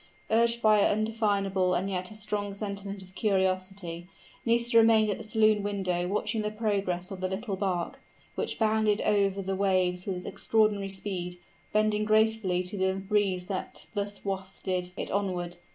Urged by an undefinable and yet a strong sentiment of curiosity, Nisida remained at the saloon window, watching the progress of the little bark, which bounded over the waves with extraordinary speed, bending gracefully to the breeze that thus wafted it onward.